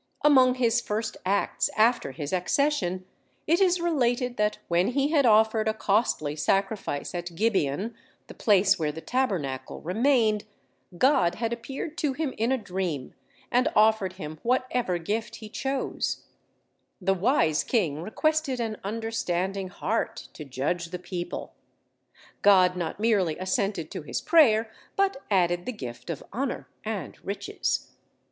Among his first acts after his accession, it is related that when he had offered a costly sacrifice at Gibeon, the place where the Tabernacle remained, God had appeared to him in a dream, and offered him whatever gift he chose: the wise king requested an understanding heart to judge the people. God not merely assented to his prayer, but added the gift of honor and riches.